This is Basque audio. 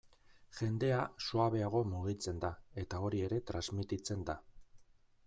Jendea suabeago mugitzen da eta hori ere transmititzen da.